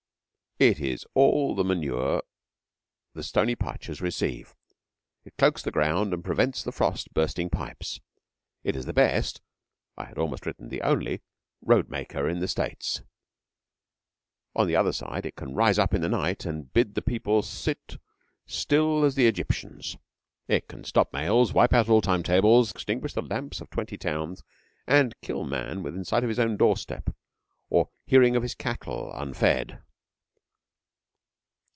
It is all the manure the stony pastures receive; it cloaks the ground and prevents the frost bursting pipes; it is the best I had almost written the only road maker in the States. On the other side it can rise up in the night and bid the people sit still as the Egyptians. It can stop mails; wipe out all time tables; extinguish the lamps of twenty towns, and kill man within sight of his own door step or hearing of his cattle unfed.